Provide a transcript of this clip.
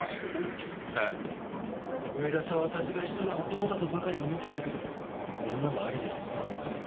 上田さんを殺害したのは男だとばかり思ってたけど女もありですね。